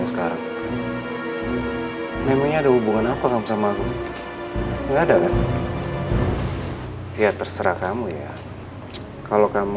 sekarang memangnya ada hubungan apa kamu sama aku enggak ada kan ya terserah kamu ya kalau kamu